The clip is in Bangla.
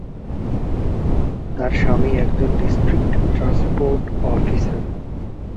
তার স্বামী একজন ডিস্ট্রিক্ট ট্রান্সপোর্ট অফিসার।